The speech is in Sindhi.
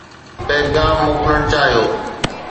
پيغام موڪلڻ چاهيو